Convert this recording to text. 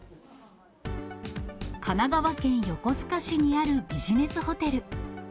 神奈川県横須賀市にあるビジネスホテル。